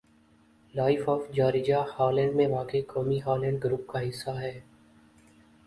life of Georgia Holland میں واقع قومی ہالینڈ گروپ کا حصّہ ہے